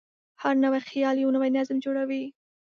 هر نوی خیال یو نوی نظم جوړوي.